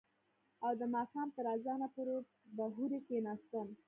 او د ماښام تر اذانه پورې به هورې کښېناستم.